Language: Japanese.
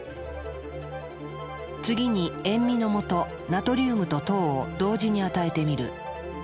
次に塩味のもとナトリウムと糖を同時に与えてみる。